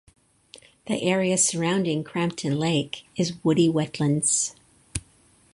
The area surrounding Crampton Lake is woody wetlands.